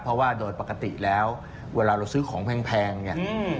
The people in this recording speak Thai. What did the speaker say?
เพราะว่าโดยปกติแล้วเวลาเราซื้อของแพงเนี่ย